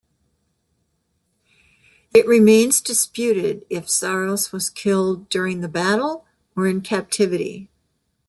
It remains disputed if Psarros was killed during the battle or in captivity.